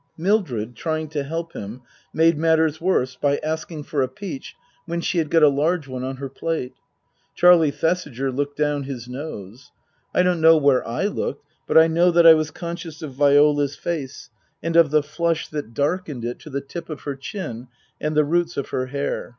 Mildred, trying to help him, made matters worse by asking for a peach when she had got a large one on her plate. Charlie Thesiger looked down his nose. I don't know where I looked, but I know that I was conscious of Viola's face and of the flush that darkened it to the 152 Tasker Jevons tip of her chin and the roots of her hair.